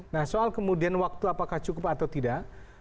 nah soal kemudian waktu apakah cukup atau tidak